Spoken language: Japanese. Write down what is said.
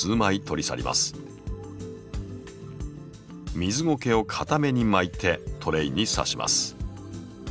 水ゴケをかために巻いてトレイにさします。